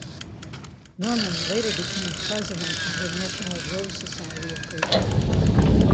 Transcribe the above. Norman later became president of the National Rose Society of Great Britain.